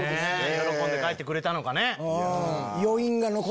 喜んで帰ってくれたのかね。